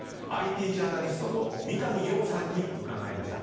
ＩＴジャーナリストの三上洋さんに伺いました。